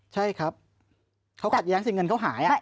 ใช่ครับเขาขัดแย้งสิเงินเขาหาย